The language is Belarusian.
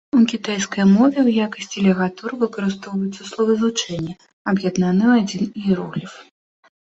У кітайскай мове ў якасці лігатур выкарыстоўваюцца словазлучэнні, аб'яднаныя ў адзін іерогліф.